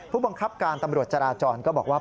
ผู้บังคับการตำรวจจราจรก็บอกว่า